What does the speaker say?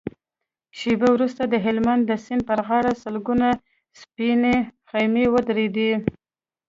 شېبه وروسته د هلمند د سيند پر غاړه سلګونه سپينې خيمې ودرېدې.